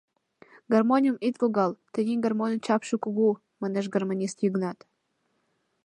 — Гармоньым ит логал, тений гармоньын чапше кугу, — манеш гармонист Йыгнат.